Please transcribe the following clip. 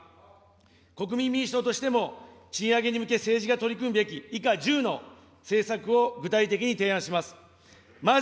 国民民主党としても、賃上げに向け、政治が取り組むべき以下１０の政策を具体的に提案します。